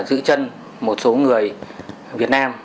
giữ chân một số người việt nam